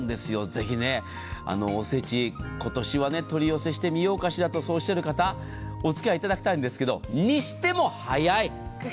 ぜひ、おせち、今年は取り寄せしてみようかしらとそうおっしゃる方お付き合いいただきたいんですがそれにしても早い。